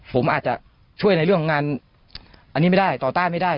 ผมอาจจะช่วยในเรื่องของงานอันนี้ไม่ได้ต่อต้านไม่ได้